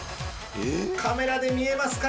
カメラで見えますか？